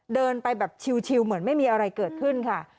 เดินไปแบบชิวเหมือนไม่มีอะไรเกิดขึ้นค่ะ